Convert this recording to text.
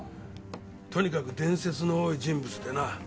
とにかく伝説の多い人物でな。